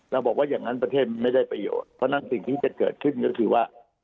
เราบอกว่าอย่างนั้นประเทศมันไม่ได้ประโยชน์เพราะฉะนั้นสิ่งที่จะเกิดขึ้นก็คือว่า